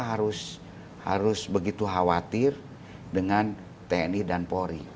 karena saya harus begitu khawatir dengan tni dan polri